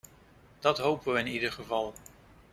Dat hopen we in ieder geval.